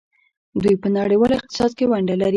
دوی په نړیوال اقتصاد کې ونډه لري.